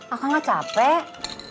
akang gak capek